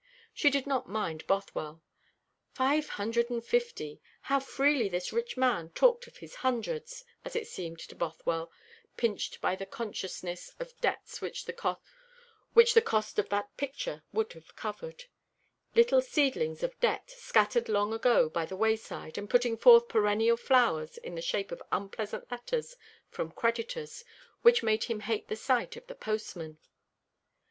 She did not mind Bothwell. Five hundred and fifty! How freely this rich man talked of his hundreds, as it seemed to Bothwell, pinched by the consciousness of debts which the cost of that picture would have covered little seedlings of debts, scattered long ago by the wayside, and putting forth perennial flowers in the shape of unpleasant letters from creditors, which made him hate the sight of the postman.